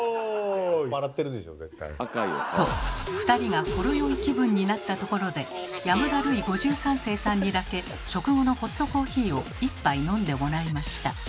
と２人がほろ酔い気分になったところで山田ルイ５３世さんにだけ食後のホットコーヒーを１杯飲んでもらいました。